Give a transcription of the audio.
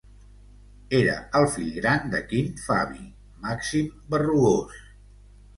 Era el fill gran de Quint Fabi Màxim Berrugós.